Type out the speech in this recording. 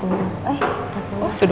kalau kamu bilang gitu aku mau tanya deh